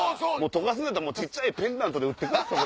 溶かすんやったら小っちゃいペンダントで売ってください。